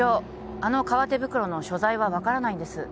あの革手袋の所在は分からないんです